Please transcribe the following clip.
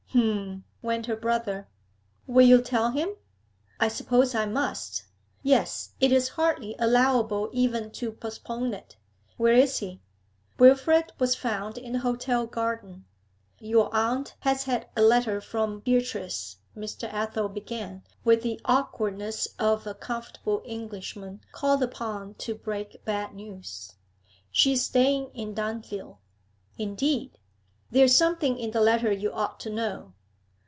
'H'm!' went her brother. 'Will you tell him?' 'I suppose I must. Yes, it is hardly allowable even to postpone it. Where is he?' Wilfrid was found in the hotel garden. 'Your aunt has had a letter from Beatrice,' Mr. Athel began, with the awkwardness of a comfortable Englishman called upon to break bad news. 'She is staying in Dunfield.' 'Indeed?' 'There's something in the letter you ought to know.'